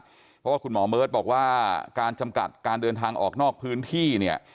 เพราะว่าคุณหมอเบิร์ตบอกว่าการจำกัดการเดินทางออกนอกพื้นที่เนี่ย